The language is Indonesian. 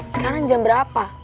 sekarang jam berapa